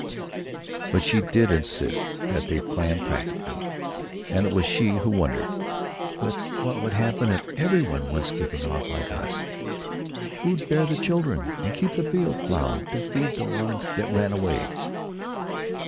But she did insist that they plan practically; and it was she who wondered: "But what would happen if everybody went skipping off like us? Who'd bear the children and keep the fields plowed to feed the ones that ran away?"